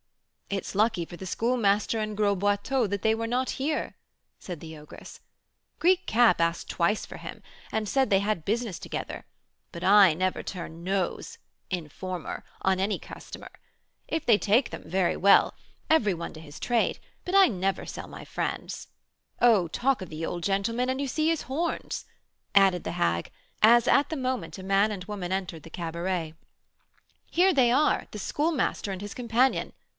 "It's lucky for the Schoolmaster and Gros Boiteux that they were not here," said the ogress; "Greek cap asked twice for him, and said they had business together; but I never turn 'nose' (informer) on any customer. If they take them, very well, every one to his trade; but I never sell my friends. Oh, talk of the old gentleman, and you see his horns," added the hag, as at the moment a man and woman entered the cabaret; "here they are, the Schoolmaster and his companion.